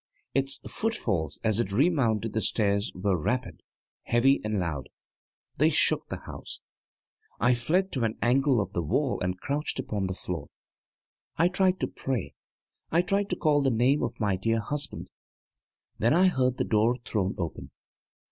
Its footfalls as it remounted the stairs were rapid, heavy and loud; they shook the house. I fled to an angle of the wall and crouched upon the floor. I tried to pray. I tried to call the name of my dear husband. Then I heard the door thrown open.